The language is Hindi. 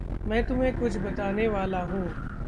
मैं तुम्हें कुछ बताने वाला हूँ।